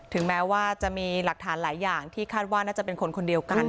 แม้ว่าจะมีหลักฐานหลายอย่างที่คาดว่าน่าจะเป็นคนคนเดียวกัน